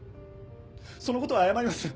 そのことは謝ります。